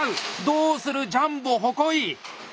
どうするジャンボ鉾井。